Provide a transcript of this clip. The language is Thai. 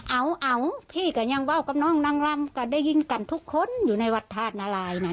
เอาเอาพี่ก็ยังว่าวกับน้องนางลำก็ได้ยินกันทุกคนอยู่ในวัดธาตุนารายนั้น